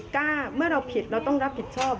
เมื่อเราผิดเราต้องรับผิดชอบ